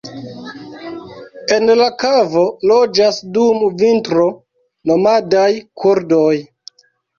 En la kavo loĝas dum vintro nomadaj kurdoj.